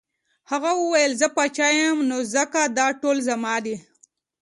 هغه وویل زه پاچا یم نو ځکه دا ټول زما دي.